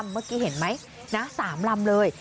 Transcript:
เมื่อกี้เห็นไหม๓ลำเลย